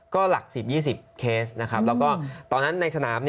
ก็หลัก๑๐๒๐เคสนะครับแล้วก็ตอนนั้นในสนาม